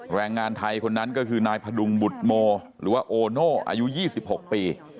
แรงงานไทยคนนั้นก็คือนายพดุงบุตรโมหรือว่าโอโน่อายุ๒๖ปี